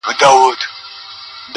چي یې تر دار پوري د حق چیغي وهلي نه وي؛